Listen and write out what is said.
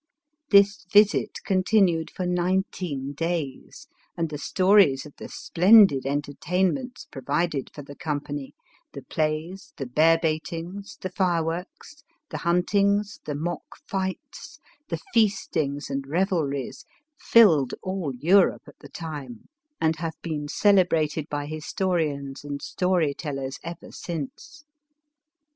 This visit continued for nineteen days, and the stories of the splendid entertainments provided for the company, the plays, the bear baitings, the fire works, the huntings, the mock fights, the feast inga and revelries — filled all Europe at the time, and have been celebrated by historians and story tellers ever since."